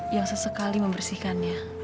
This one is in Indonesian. yang sesekali membersihkannya